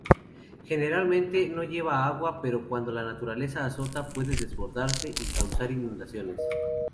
Generalmente no lleva agua pero cuando la naturaleza azota puede desbordarse y causar inundaciones.